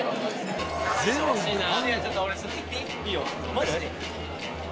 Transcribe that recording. マジで？